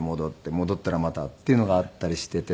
戻ったらまたっていうのがあったりしていて。